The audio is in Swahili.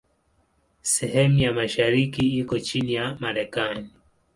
Sehemu ya mashariki iko chini ya Marekani.